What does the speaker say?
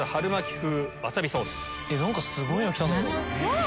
何かすごいのきたんだけど。